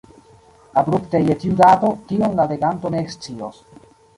Abrupte je kiu dato, tion la leganto ne ekscios.